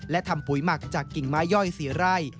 และทำปุ๋ยหมักจากกิ่งไม้ย่อย๔ไร่